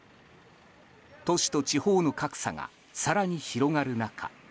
都市と地方の格差が更に広がる中